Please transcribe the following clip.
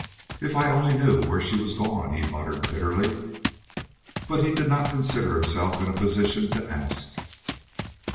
"If I only knew where she was gone!" he muttered, bitterly. But he did not consider himself in a position to ask.